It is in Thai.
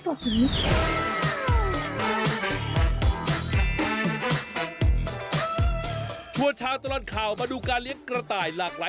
แบบนี้ก็สร้างรายได้ง่ำให้กับครอบครัวได้เลยครับ